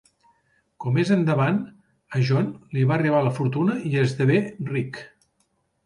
Com més endavant a John li arriba la fortuna i esdevé ric.